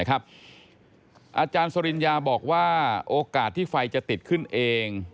อาจารย์สริญญาบอกว่าโอกาสที่ไฟจะติดขึ้นเอง